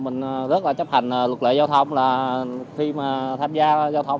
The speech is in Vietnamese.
mình rất là chấp hành luật lệ giao thông là khi mà tham gia giao thông